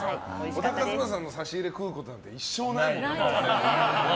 小田和正さんの差し入れ食うことなんて一生ないもんな。